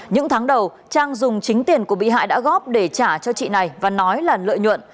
những tháng đầu trang dùng chính tiền của bị hại đã góp để trả cho chị này và nói là lợi nhuận